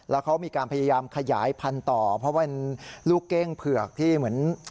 แล้วเขามีการพยายามขยายพันธุ์ต่อเพราะเป็นลูกเก้งเผือกที่เหมือน